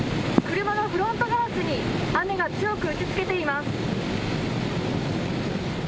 車のフロントガラスに雨が強く打ちつけています。